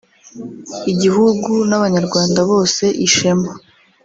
igihugu n’abanyarwanda bose ishema